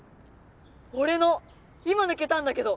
俺の今抜けたんだけど